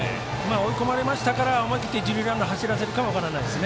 追い込まれましたから思い切って一塁ランナーを走らせたのかも分からないですね。